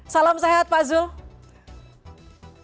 salam sehat pak zulk